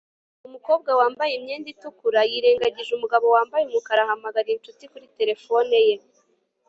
Umukobwa wambaye imyenda itukura yirengagije umugabo wambaye umukara ahamagara inshuti kuri terefone ye